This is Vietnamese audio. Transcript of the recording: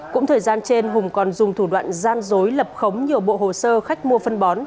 cũng thời gian trên hùng còn dùng thủ đoạn gian dối lập khống nhiều bộ hồ sơ khách mua phân bón